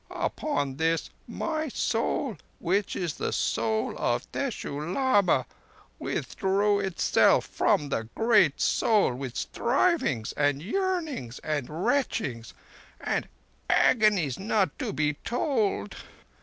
Upon this my Soul, which is the Soul of Teshoo Lama, withdrew itself from the Great Soul with strivings and yearnings and retchings and agonies not to be told.